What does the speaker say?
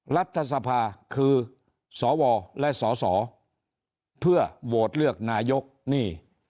รัฐสภาคือสวและสสเพื่อโหวตเลือกนายกนี่